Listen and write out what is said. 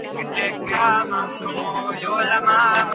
Es ahora conocida como la Capilla de la Inmaculada Concepción.